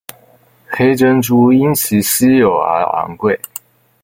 黑珍珠因其稀有而昂贵。